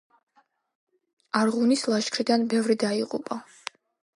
არღუნის ლაშქრიდან ბევრი დაიღუპა.